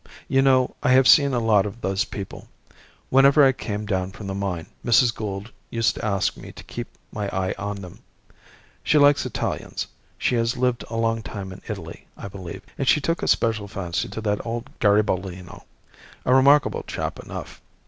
You know, I have seen a lot of those people. Whenever I came down from the mine Mrs. Gould used to ask me to keep my eye on them. She likes Italians; she has lived a long time in Italy, I believe, and she took a special fancy to that old Garibaldino. A remarkable chap enough.